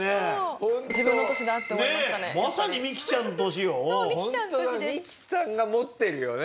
ホントだミキさんが持ってるよね。